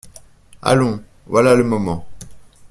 Allons, voilà le moment !